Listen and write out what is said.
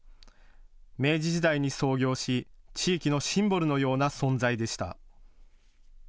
明治時代に創業し、地域のシンボルのような存在でした。